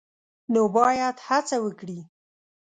نو باید هڅه وکړي